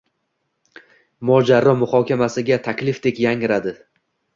mojaro muhokamasiga taklifdek yangradi.